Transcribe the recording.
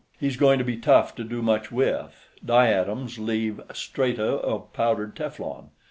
He's going to be tough to do much with. Diatoms leave strata of powdered teflon.